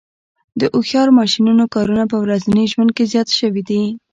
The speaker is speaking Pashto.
د هوښیار ماشینونو کارونه په ورځني ژوند کې زیات شوي دي.